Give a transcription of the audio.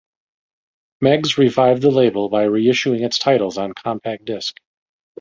Meggs revived the label by reissuing its titles on Compact Disc.